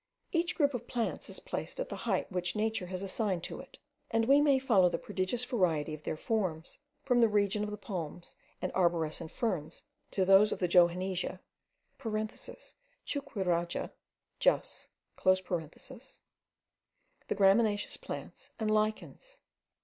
Each group of plants is placed at the height which nature has assigned to it, and we may follow the prodigious variety of their forms from the region of the palms and arborescent ferns to those of the johannesia (chuquiraga, Juss.), the gramineous plants, and lichens.